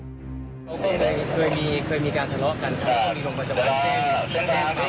ก็น่าจะเป็นเรื่องหล่อบำวัง